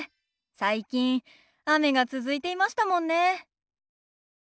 最近雨が続いていましたもんね。